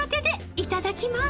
いただきます。